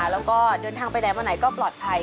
เราก็ไม่นานเกินไป